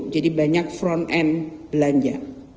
jadi banyak front end belanja